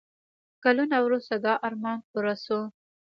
کلونه وروسته دا ارمان پوره شو.